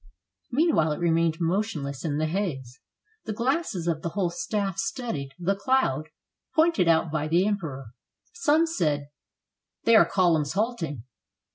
Meanwhile, it remained motionless in the haze. The glasses of the whole staff studied "the cloud" pointed out by the Emperor. Some said: "They are columns halting."